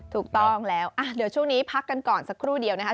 ถูกต้องแล้วเดี๋ยวช่วงนี้พักกันก่อนสักครู่เดียวนะคะ